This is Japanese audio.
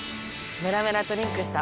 メラメラとリンクした！